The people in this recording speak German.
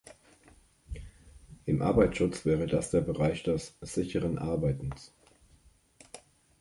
Im Arbeitsschutz wäre das der Bereich des „sicheren Arbeitens“.